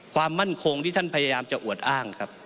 ความมั่นคงที่ท่านพยายามจะอวดอ้างครับ